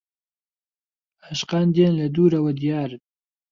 عاشقان دێن لە دوورەوە دیارن